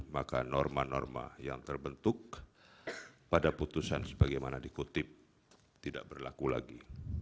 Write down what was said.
maka norma norma yang terbentuk pada putusan sebagaimana dikutip tidak berlaku lagi